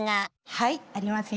はいありますよ。